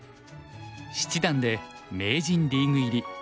七段で名人リーグ入り。